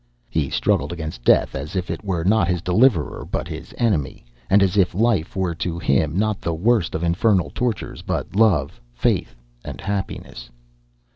He struggled against death as if it were not his deliverer, but his enemy; and as if life were to him not the worst of infernal tortures but love, faith, and happiness.